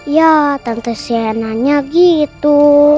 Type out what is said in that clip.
ya tante sienanya gitu